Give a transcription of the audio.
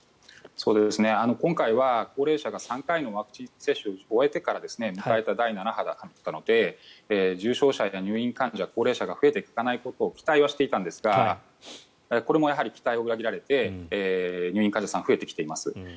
今回は高齢者が３回のワクチン接種を終えてから迎えた第７波だったので重症者や入院患者高齢者が増えていかないことが期待はしていたんですがこれもやはり期待を裏切られて入院患者さん増えてきています。